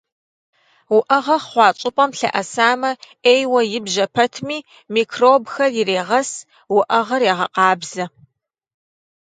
Уӏэгъэ хъуа щӏыпӏэм лъэӏэсамэ, ӏейуэ ибжьэ пэтми, микробхэр ирегъэс, уӏэгъэр егъэкъабзэ.